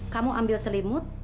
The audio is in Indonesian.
kamu ambil selimut